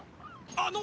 あの！